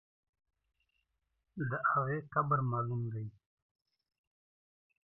د هغې قبر معلوم دی.